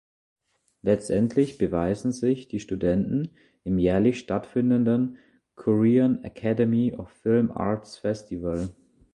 Letztlich beweisen sich die Studenten im jährlich stattfindenden Korean Academy of Film Arts Festival.